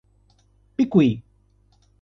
Picuí